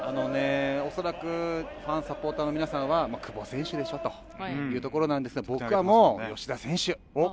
恐らくファン、サポーターの皆さんは久保選手でしょと言うところですが僕はもう、吉田選手。